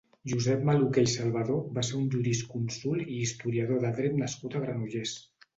Josep Maluquer i Salvador va ser un jurisconsult i historiador del dret nascut a Granollers.